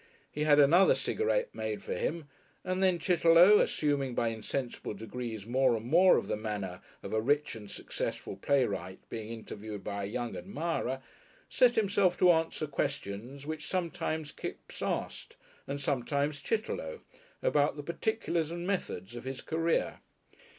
He had another cigarette made for him, and then Chitterlow, assuming by insensible degrees more and more of the manner of a rich and successful playwright being interviewed by a young admirer, set himself to answer questions which sometimes Kipps asked and sometimes Chitterlow, about the particulars and methods of his career.